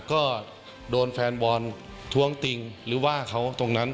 ก็โดนแฟนบอลท้วงติงหรือว่าเขาตรงนั้น